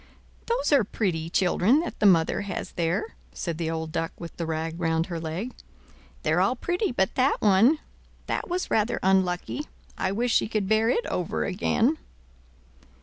"Those are pretty children that the mother has there," said the old Duck with the rag round her leg. They're all pretty but that one; that was rather unlucky. I wish she could bear it over again."